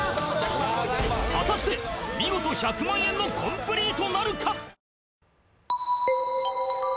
果たして見事１００万円のコンプリートなるか？